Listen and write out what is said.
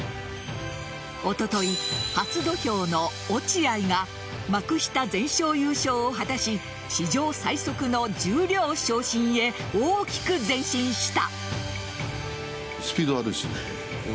おととい、初土俵の落合が幕下全勝優勝を果たし史上最速の十両昇進へ大きく前進した。